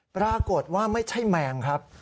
ปรากฏว่าไม่ใช่แมงครับ